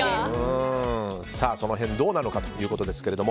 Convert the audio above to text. その辺どうなのかということですが。